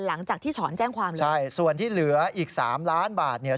หลังจากที่ถอนแจ้งความแล้วใช่ส่วนที่เหลืออีกสามล้านบาทเนี่ย